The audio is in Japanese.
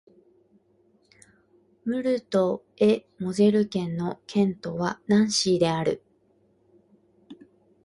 ムルト＝エ＝モゼル県の県都はナンシーである